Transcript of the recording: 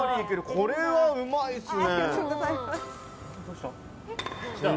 これはうまいですね。